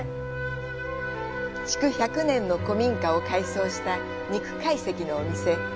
築１００年の古民家を改装した肉懐石のお店。